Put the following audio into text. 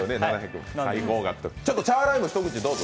チャーライも一口どうぞ。